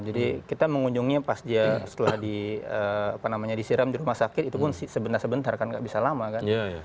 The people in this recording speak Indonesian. jadi kita mengunjunginya pas dia setelah di apa namanya disiram di rumah sakit itu pun sebentar sebentar kan nggak bisa lama kan